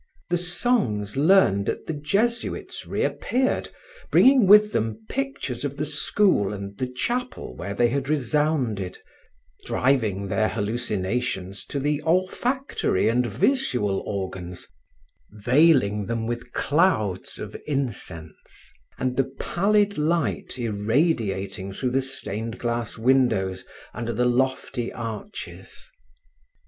The songs learned at the Jesuits reappeared, bringing with them pictures of the school and the chapel where they had resounded, driving their hallucinations to the olfactory and visual organs, veiling them with clouds of incense and the pallid light irradiating through the stained glass windows, under the lofty arches.